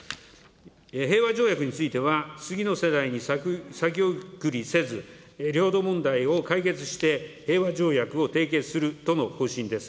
平和条約については、次の世代に先送りせず、領土問題を解決して、平和条約を締結するとの方針です。